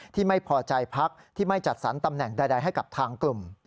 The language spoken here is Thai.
ที่ไม่พอใจพักที่ไม่จัดสรรตำแหน่งใดให้กับทางกลุ่ม